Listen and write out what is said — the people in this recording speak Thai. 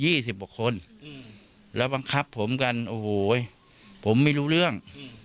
ยี่สิบออกคนแล้วบังคับผมกันโอ้โหผมไม่รู้เรื่อง